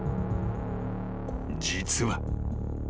［実は］